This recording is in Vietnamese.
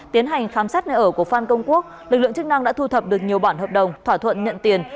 tiến hành khám xét nơi ở của phan công quốc lực lượng chức năng đã thu thập được nhiều bản hợp đồng thỏa thuận nhận tiền